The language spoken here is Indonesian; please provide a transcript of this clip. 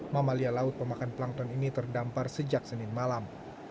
mamalia laut pemakan plankton ini terdampar sejak senin malam